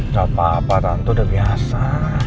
gak apa apa ranto udah biasa